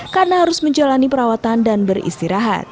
karena harus menjalani perawatan dan beristirahat